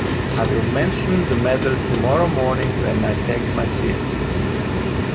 I will mention the matter tomorrow morning when I take my seat.